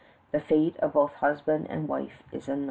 The fate of both husband and wife is unknown.